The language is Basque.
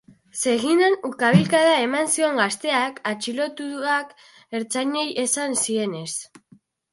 Segidan ukabilkada eman zion gazteak, atxilotuak ertzainei esan zienez.